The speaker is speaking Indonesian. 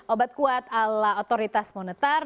obat kuat ala otoritas monetar